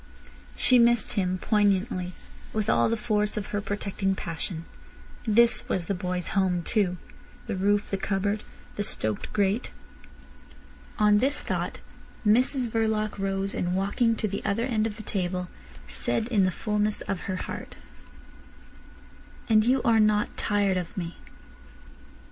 She missed him poignantly, with all the force of her protecting passion. This was the boy's home too—the roof, the cupboard, the stoked grate. On this thought Mrs Verloc rose, and walking to the other end of the table, said in the fulness of her heart: "And you are not tired of me."